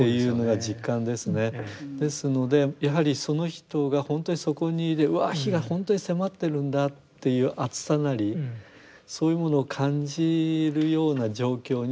ですのでやはりその人が本当にそこにわ火が本当に迫ってるんだっていう熱さなりそういうものを感じるような状況にこう直面しないと。